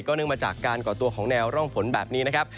เนื่องมาจากการก่อตัวของแนวร่องฝนแบบนี้นะครับ